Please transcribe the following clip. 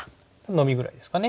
ノビぐらいですかね。